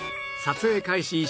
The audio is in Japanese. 撮影開始